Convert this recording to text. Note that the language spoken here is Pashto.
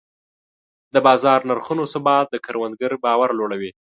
د بازار نرخونو ثبات د کروندګر باور لوړوي.